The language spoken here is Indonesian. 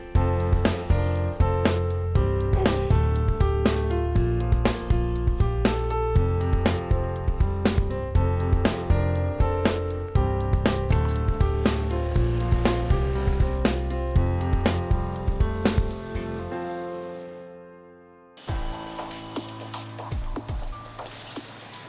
meja sama yang lain